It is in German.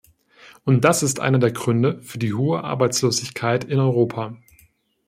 Und das ist einer der Gründe für die hohe Arbeitslosigkeit in Europa.